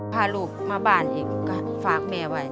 พาลูกมาบ้านให้ฝากแม่ไว้